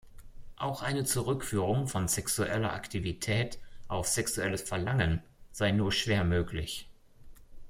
Auch eine Zurückführung von sexueller Aktivität auf sexuelles Verlangen sei nur schwer möglich.